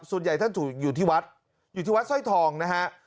ส่วนใหญ่ท่านถูกอยู่ที่วัดอยู่ที่วัดสร้อยทองนะฮะ